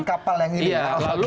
tetap berlayar dengan kapal yang ini